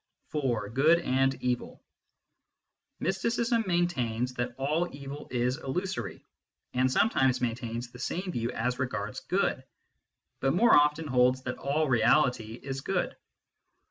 IV. GOOD AND EVIL Mysticism maintains that all evil is illusory, and some times maintains the same view as regards good, but more often holds that all Reality is good.